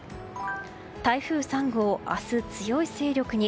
台風３号、明日、強い勢力に。